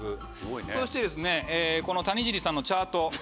そしてこの谷尻さんのチャート。